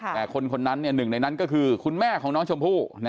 แต่คนนั้นหนึ่งในนั้นก็คือคุณแม่ของน้องชมพู่